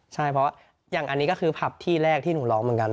ใช่เพราะอย่างอันนี้ก็คือผับที่แรกที่หนูร้องเหมือนกัน